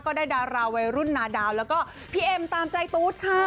ดาราวัยรุ่นนาดาวแล้วก็พี่เอ็มตามใจตู๊ดค่ะ